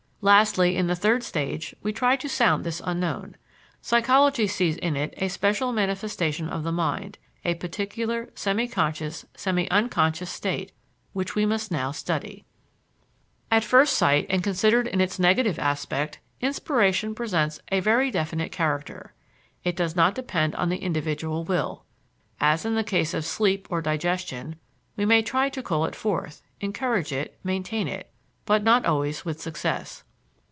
Lastly, in the third stage, we try to sound this unknown. Psychology sees in it a special manifestation of the mind, a particular, semi conscious, semi unconscious state which we must now study. At first sight, and considered in its negative aspect, inspiration presents a very definite character. It does not depend on the individual will. As in the case of sleep or digestion, we may try to call it forth, encourage it, maintain it; but not always with success.